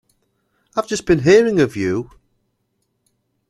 I have just been hearing of you.